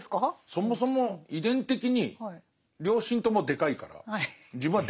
そもそも遺伝的に両親ともでかいから自分はでかいわけですよ。